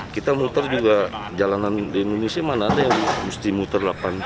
kita muter juga jalanan di indonesia mana ada yang mesti muter delapan puluh